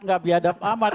nggak biadab ahmad